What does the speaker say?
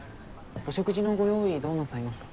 お食事のご用意どうなさいますか？